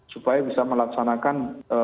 supaya bisa melaksanakan